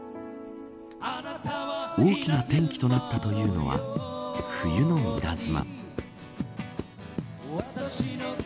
大きな転機となったというのは冬の稲妻。